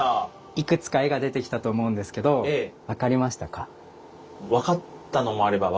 いくつか絵が出てきたと思うんですけどハンバーガー！